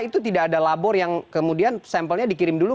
itu tidak ada labor yang kemudian sampelnya dikirim dulu